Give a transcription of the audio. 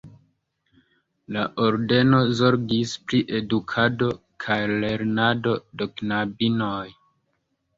La ordeno zorgis pri edukado kaj lernado de knabinoj.